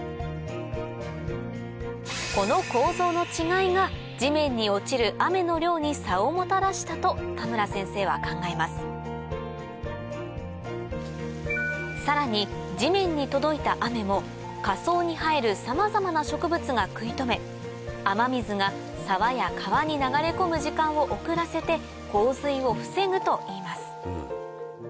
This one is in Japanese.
この構造の違いが地面に落ちる雨の量に差をもたらしたと田村先生は考えますさらに地面に届いた雨も下層に生えるさまざまな植物が食い止め雨水が沢や川に流れ込む時間を遅らせて洪水を防ぐといいます